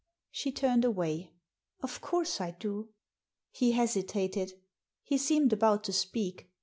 She turned away. "Of course I do." He hesitated. He seemed about to speak.